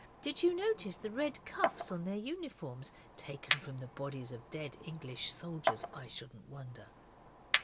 'Did you notice the red cuffs on their uniforms? Taken from the bodies of dead English soldiers, I shouldn't wonder.